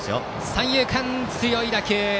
三遊間に強い打球。